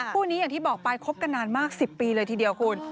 คู่นี้อย่างที่บอกไปคบกันนานมาก๑๐ปีเลยทีเดียวคุณ